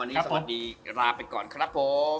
วันนี้สวัสดีลาไปก่อนครับผม